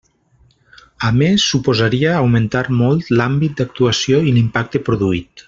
A més, suposaria augmentar molt l'àmbit d'actuació i l'impacte produït.